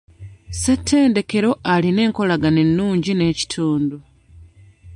Ssettendekero alina enkolagana ennungi n'ekitundu.